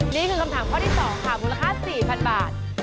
นี่คือคำถามข้อที่๒ค่ะมูลค่า๔๐๐๐บาท